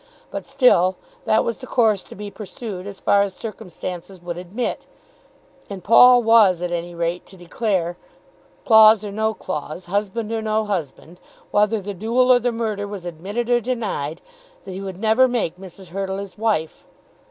But, still, that was the course to be pursued as far as circumstances would admit; and Paul was at any rate to declare, claws or no claws, husband or no husband, whether the duel or the murder was admitted or denied, that he would never make Mrs. Hurtle his wife.